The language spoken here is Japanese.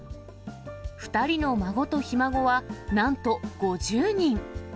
２人の孫とひ孫はなんと５０人。